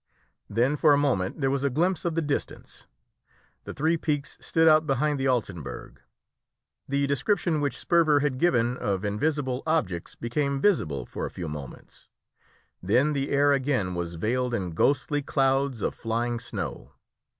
Then for a moment there was a glimpse of the distance. The three peaks stood out behind the Altenberg. The description which Sperver had given of invisible objects became visible for a few moments; then the air again was veiled in ghostly clouds of flying snow.